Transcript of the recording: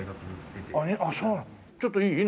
ちょっといい？